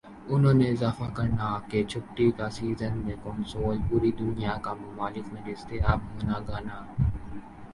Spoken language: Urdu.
انہوں نے اضافہ کرنا کہ چھٹی کا سیزن میں کنسول پوری دنیا کا ممالک میں دستیاب ہونا گانا